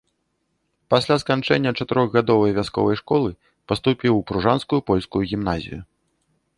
Пасля сканчэння чатырохгадовай вясковай школы паступіў у пружанскую польскую гімназію.